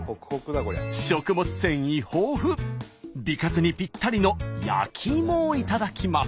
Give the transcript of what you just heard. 食物繊維豊富美活にぴったりの焼きいもを頂きます。